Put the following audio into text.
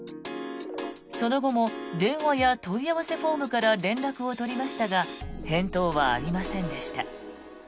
その後も電話や問い合わせフォームから連絡を取りましたが返答はありませんでした。